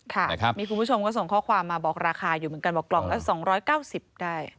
ค่ะมีคุณผู้ชมก็ส่งข้อความมาบอกราคาอยู่เหมือนกันบอกกล่องละ๒๙๐ได้